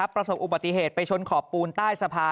ประสบอุบัติเหตุไปชนขอบปูนใต้สะพาน